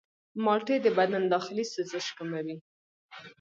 مالټې د بدن داخلي سوزش کموي.